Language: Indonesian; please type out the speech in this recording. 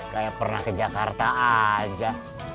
kayak pernah ke jakarta aja